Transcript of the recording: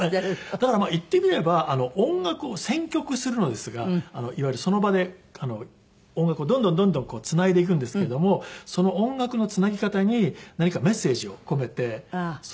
だから言ってみれば音楽を選曲するのですがいわゆるその場で音楽をどんどんどんどんつないでいくんですけどもその音楽のつなぎ方に何かメッセージを込めてそれで語っている感じですかね。